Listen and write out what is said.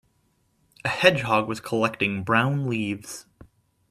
A hedgehog was collecting brown leaves.